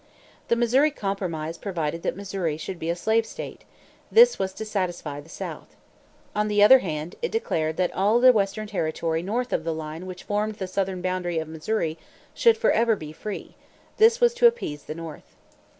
The Missouri Compromise provided that Missouri should be a slave state; this was to satisfy the South. On the other hand, it declared that all the western territory north of the line which formed the southern boundary of Missouri, should forever be free; this was to appease the North.